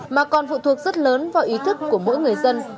mà còn phụ thuộc rất lớn vào ý thức của mỗi người dân